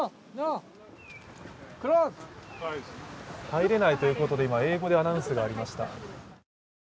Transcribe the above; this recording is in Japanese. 入れないということで今、英語でアナウンスがありました。